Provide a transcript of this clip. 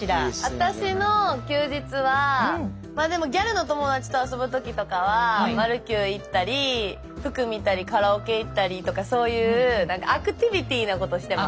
私の休日はギャルの友達と遊ぶ時とかはマルキュー行ったり服見たりカラオケ行ったりとかそういうアクティビティーなことしてます。